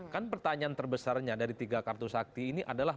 kan pertanyaan terbesarnya dari tiga kartu sakti ini adalah